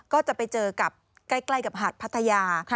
ก็จะไปเจอกับใกล้กับหาดพัทยา